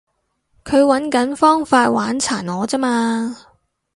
佢搵緊方法玩殘我咋嘛